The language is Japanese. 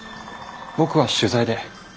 僕は取材で。